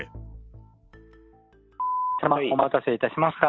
×××様、お待たせいたしました。